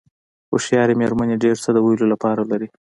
هوښیارې مېرمنې ډېر څه د ویلو لپاره لري.